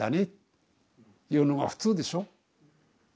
言うのが普通でしょ。